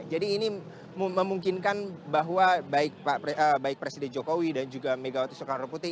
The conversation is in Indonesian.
jadi ini memungkinkan bahwa baik presiden jokowi dan juga megawati soekarno putri